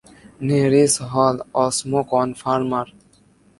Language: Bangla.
নেরিস হল ওসমোকনফর্মার।